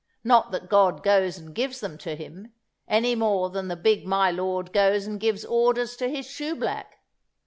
Not that God goes and gives them to him, any more than the big my lord goes and gives orders to his shoe black.